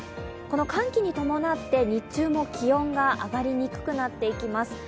寒気に伴って日中も気温が上がりにくくなっていきます。